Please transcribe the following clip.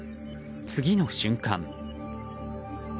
次の瞬間。